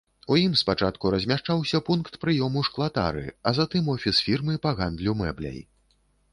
У ім спачатку размяшчаўся пункт прыёму шклатары, а затым офіс фірмы па гандлю мэбляй.